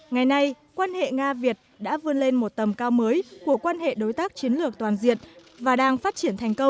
ngày nay quan hệ nga việt đã vươn lên một tầm cao mới của quan hệ đối tác chiến lược toàn diện và đang phát triển thành công